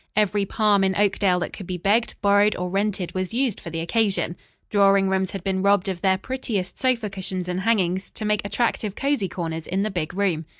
Every palm in Oakdale that could be begged, borrowed or rented was used for the occasion. Drawing rooms had been robbed of their prettiest sofa cushions and hangings, to make attractive cosy corners in the big room.